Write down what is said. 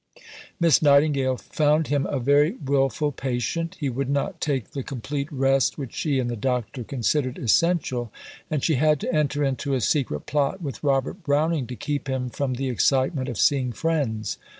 Miss Nightingale found him "a very wilful patient"; he would not take the complete rest which she and the doctor considered essential; and she had to enter into a secret plot with Robert Browning to keep him from the excitement of seeing friends.